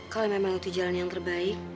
kalau memang itu jalan yang terbaik